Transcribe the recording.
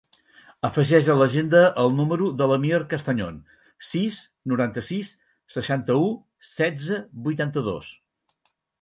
Afegeix a l'agenda el número de l'Amir Castañon: sis, noranta-sis, seixanta-u, setze, vuitanta-dos.